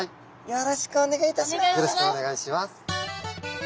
よろしくお願いします。